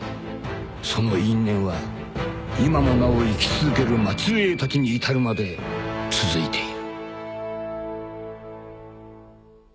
［その因縁は今もなお生き続ける末裔たちに至るまで続いている］